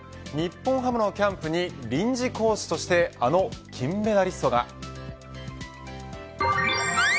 日本ハムのキャンプに臨時コーチとしてあの金メダリストが。